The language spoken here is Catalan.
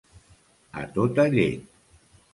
A tota llet.